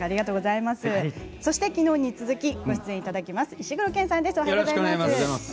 そしてきのうに続きご出演いただきます石黒賢さんです。